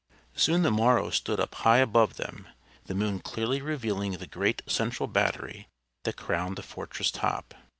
Soon the Morro stood up high above them, the moon clearly revealing the great central battery that crowned the fortress top.